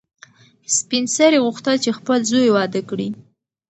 سپین سرې غوښتل چې خپل زوی واده کړي.